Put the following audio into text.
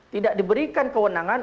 tidak diberikan kewenangan